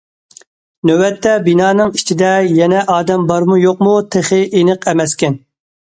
نۆۋەتتە بىنانىڭ ئىچىدە يەنە ئادەم بارمۇ- يوقمۇ تېخى ئېنىق ئەمەسكەن.